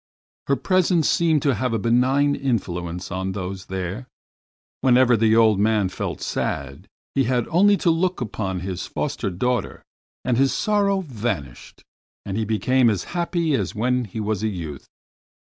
Her presence seemed to have a benign influence on those there. Whenever the old man felt sad, he had only to look upon his foster daughter and his sorrow vanished, and he became as happy as when he was a youth.